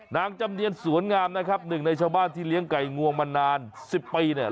จำเนียนสวนงามนะครับหนึ่งในชาวบ้านที่เลี้ยงไก่งวงมานานสิบปีเนี่ย